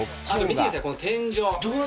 見てください、この天井。